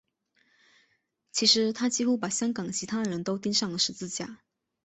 其实他几乎把台湾其他的人都钉上了十字架。